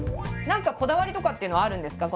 何かこだわりとかっていうのはあるんですか？